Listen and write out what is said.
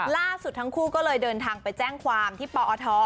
ล่าสุดทั้งคู่ก็เลยเดินทางไปแจ้งความที่ปอท